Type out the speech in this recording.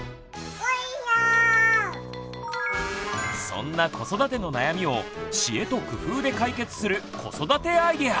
そんな子育ての悩みを知恵と工夫で解決する子育てアイデア！